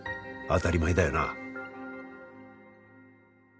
当たり前だよな。